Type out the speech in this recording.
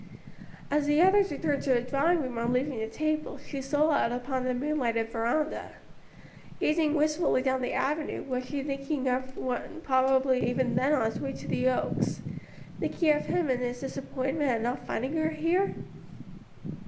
As the others returned to the drawing room on leaving the table, she stole out upon the moonlighted veranda. Gazing wistfully down the avenue, was she thinking of one probably even then on his way to the Oaks thinking of him and his disappointment at not finding her here?